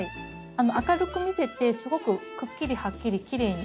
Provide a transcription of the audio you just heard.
明るく見せてすごくくっきりはっきりきれいに。